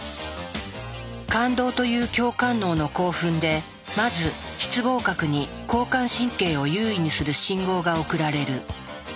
感動という共感脳の興奮でまず室傍核に交感神経を優位にする信号が送られる。